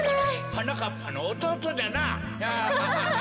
はなかっぱのおとうとじゃな。